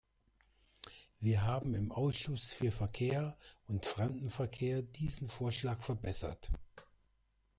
Wir haben im Ausschuss für Verkehr und Fremdenverkehr diesen Vorschlag verbessert.